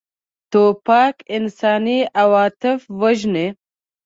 توپک انساني عواطف وژني.